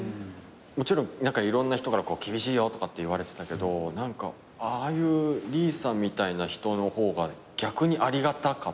もちろんいろんな人から「厳しいよ」とか言われてたけどああいう李さんみたいな人の方が逆にありがたかったっていうか。